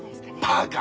バカ！